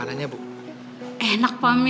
thank you mas